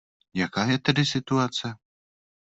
Jaká je tedy situace?